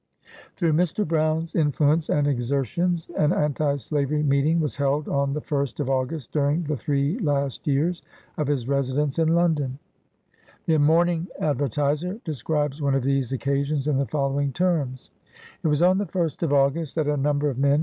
Through Mr. Brown's influence and exertions, an Anti Slavery meeting was held on the First of August during the three last years of his residence in London. AN AMERICAN BONDMAN. 91 The Morning Advertiser describes one of these occa sions in the following terms :— "It was on the First of August, that a number of men.